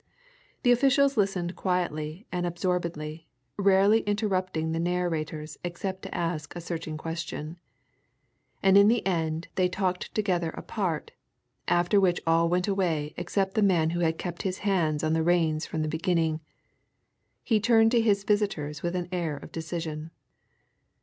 The officials listened quietly and absorbedly, rarely interrupting the narrators except to ask a searching question. And in the end they talked together apart, after which all went away except the man who had kept his hands on the reins from the beginning. He turned to his visitors with an air of decision.